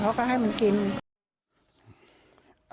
เขาก็ให้มันกิน